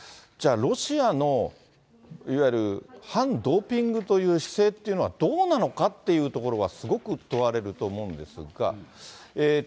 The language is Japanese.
じゃあ、ロシアのいわゆる、反ドーピングという姿勢っていうのはどうなのかというところがすごく問われると思うんですが。